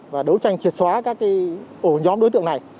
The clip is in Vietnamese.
và đấu tranh triệt xóa các ổ nhóm đối tượng này